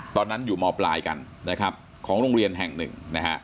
ตอนนั้นอยู่มปรายของโรงเรียนแห่งหนึ่ง